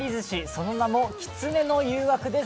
その名も、狐の誘惑です。